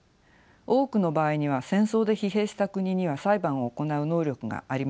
多くの場合には戦争で疲弊した国には裁判を行う能力がありません。